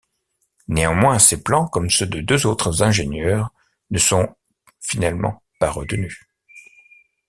Néanmoins ses plans, comme ceux de deux autres ingénieurs, ne sont finalement pas retenus.